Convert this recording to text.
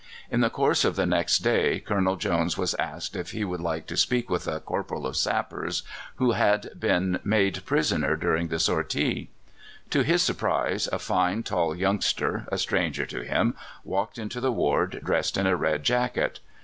In the course of the next day Colonel Jones was asked if he would like to speak with a corporal of sappers who had been made prisoner during the sortie. To his surprise, a fine, tall youngster, a stranger to him, walked into the ward, dressed in a red jacket.